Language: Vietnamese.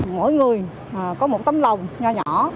mỗi người có một tấm lòng nhỏ nhỏ